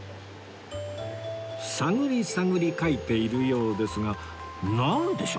探り探り描いているようですがなんでしょうね？